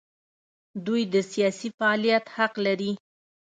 دوی د سیاسي فعالیت حق لري.